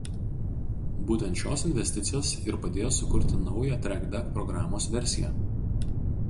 Būtent šios investicijos ir padėjo sukurti naują „TrackDuck“ programos versiją.